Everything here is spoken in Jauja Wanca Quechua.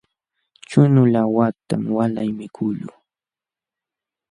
Chunu laawatam walay mikuqluu.